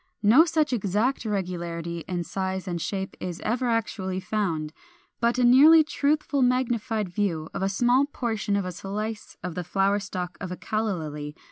No such exact regularity in size and shape is ever actually found; but a nearly truthful magnified view of a small portion of a slice of the flower stalk of a Calla Lily (Fig.